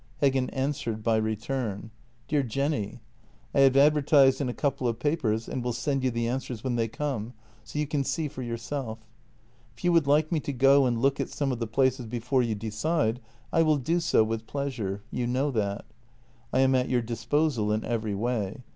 Heggen answered by return: " Dear Jenny, — I have advertised in a couple of papers and will send you the answers when they come, so you can see for yourself. If you would like me to go and look at some of the places before you decide, I will do so with pleasure — you know that. I am at your disposal in every way.